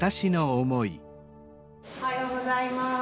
おはようございます。